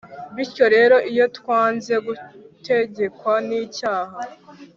Bityo rero, iyo twanze gutegekwa n’icyaha